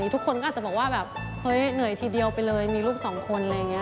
ทุกคนก็อาจจะบอกว่าแบบเฮ้ยเหนื่อยทีเดียวไปเลยมีลูกสองคนอะไรอย่างนี้